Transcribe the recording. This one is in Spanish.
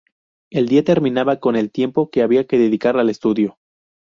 El día terminaba con el tiempo que había que dedicar al estudio.